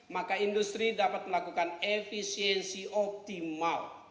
maka industri dapat melakukan efisiensi optimal